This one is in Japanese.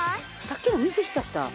さっきの水浸した。